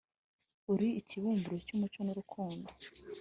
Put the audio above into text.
uli ikibumbiro cy’umuco n’urukundo